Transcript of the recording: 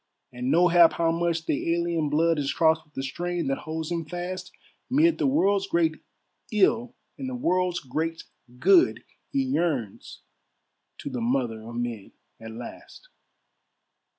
And nohap how much of the alien blood Is crossed with the strain that holds him fast, Mid the world's great ill and the world's great good, He yearns to the Mother of men at last.